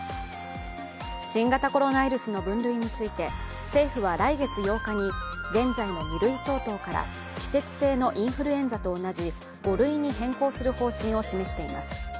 新型コロナウイルスの分類について、政府は来月８日に現在の２類相当から季節性のインフルエンザと同じ５類に変更する方針を示しています。